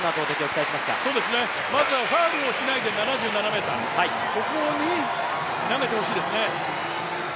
まずはファウルをしないで７７ｍ、ここに投げてほしいですね。